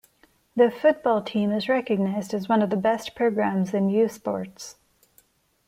The football team is recognized as one of the best programs in U Sports.